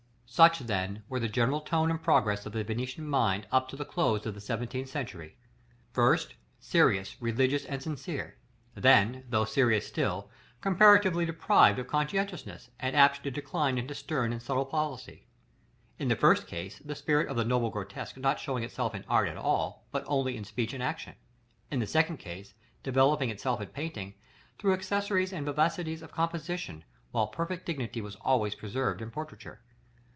Such, then, were the general tone and progress of the Venetian mind, up to the close of the seventeenth century. First, serious, religious, and sincere; then, though serious still, comparatively deprived of conscientiousness, and apt to decline into stern and subtle policy: in the first case, the spirit of the noble grotesque not showing itself in art at all, but only in speech and action; in the second case, developing itself in painting, through accessories and vivacities of composition, while perfect dignity was always preserved in portraiture.